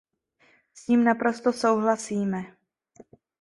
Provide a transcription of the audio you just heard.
S tím naprosto souhlasíme.